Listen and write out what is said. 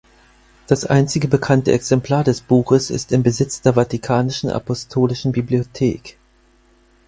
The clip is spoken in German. Das einzige bekannte Exemplar des Buches ist im Besitz der Vatikanischen Apostolischen Bibliothek.